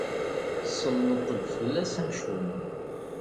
Selleṭ-d fell-as amcum.